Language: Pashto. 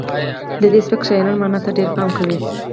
د دې سبک شاعران معنا ته ډیر پام کوي